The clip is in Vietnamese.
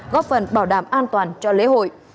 góp phần bảo đảm an toàn cho lễ hội